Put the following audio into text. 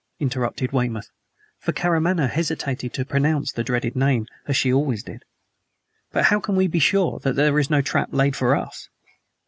interrupted Weymouth; for Karamaneh hesitated to pronounce the dreaded name, as she always did. "But how can we be sure that there is no trap laid for us?"